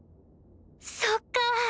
そっかぁ。